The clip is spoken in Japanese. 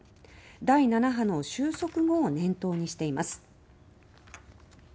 第７派の収束後を念頭にしています。